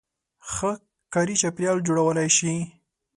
-ښه کاري چاپېریال جوړولای شئ